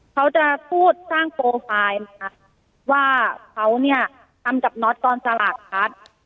เขาจะพูดสร้างโปรไฟล์นะคะว่าเขาเนี่ยทำกับน็อตกรสลัดทัศน์